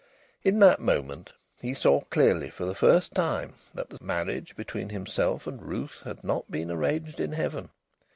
In that moment he saw clearly for the first time that the marriage between himself and Ruth had not been arranged in Heaven.